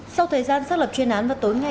sau thời gian xác lập chuyên án vào tối ngày